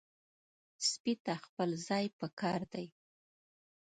سپي ته خپل ځای پکار دی.